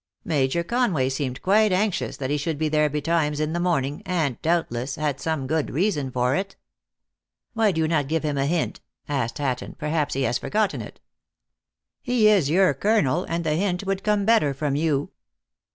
Major Conway seemed quite an xious that he should be there betimes in the morning, and, doubtless, had some good reason for it. "Why do you not give him a hint?" asked Hatton, perhaps he has forgotten it." u He is your colonel, and the hint would come better from you."